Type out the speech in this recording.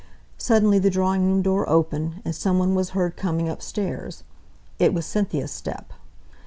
Suddenly the drawing room door opened, and some one was heard coming upstairs; it was Cynthia's step.